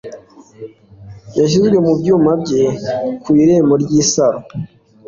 yashizwe mu byuma bye ku irembo ry'isaro